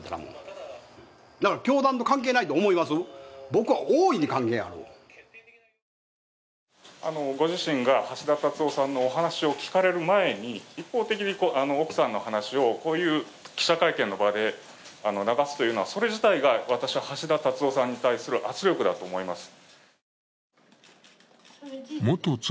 元妻は、今も次男と同居しているご自身が橋田達夫さんのお話を聞かれる前に、一方的に奥さんの話を、こういう記者会見の場で流すというのはそれ自体が、私は、橋田達夫さんに対する圧力だと思います。